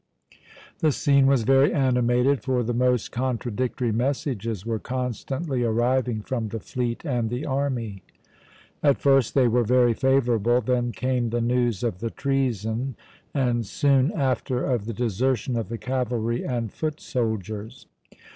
The scene was very animated, for the most contradictory messages were constantly arriving from the fleet and the army. At first they were very favourable; then came the news of the treason, and soon after of the desertion of the cavalry and foot soldiers.